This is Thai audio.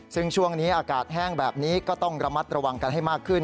ซึ่งช่วงนี้อากาศแห้งแบบนี้ก็ต้องระมัดระวังกันให้มากขึ้น